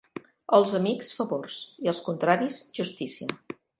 Als amics, favors, i als contraris, justícia.